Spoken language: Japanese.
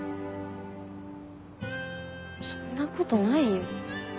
そんなことないよ。